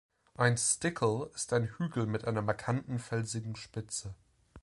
Ein „Stickle“ ist ein Hügel mit einer markanten felsigen Spitze.